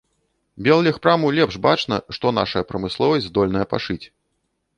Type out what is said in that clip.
Беллегпраму лепш бачна, што нашая прамысловасць здольная пашыць.